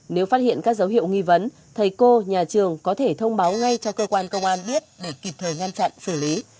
nếu phát hiện các dấu hiệu nghi vấn thầy cô nhà trường có thể thông báo ngay cho cơ quan công an biết để kịp thời ngăn chặn xử lý